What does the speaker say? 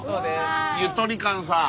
ゆとり館さん。